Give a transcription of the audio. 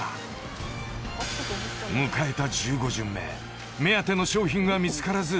［迎えた１５巡目目当ての商品が見つからず